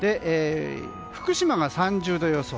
福島が３０度予想。